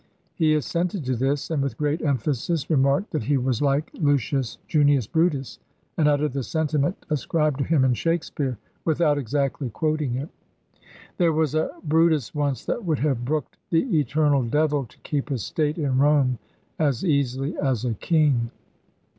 He assented to this, and with great emphasis re marked that he was like Lucius Junius Brutus, and uttered the sentiment ascribed to him in Shakspere, without exactly quoting it : There was a Brutus once that would have brooked The eternal devil to keep his state in Rome As easily as a king.